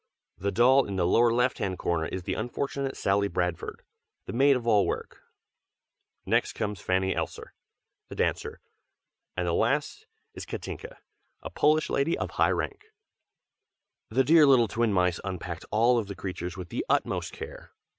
The doll in the lower left hand corner is the unfortunate Sally Bradford, the maid of all work; next comes Fanny Ellsler, the dancer, and the last is Katinka, a Polish lady of high rank. The dear little twin mice unpacked all these creatures with the utmost care.